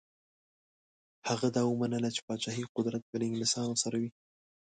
هغه دا ومنله چې پاچهي قدرت به له انګلیسیانو سره وي.